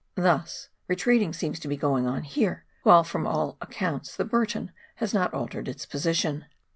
Thus retreat seems to be going on here, while from all accounts the Burton has not altered its position.